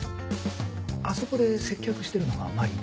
あそこで接客してるのが愛鈴です。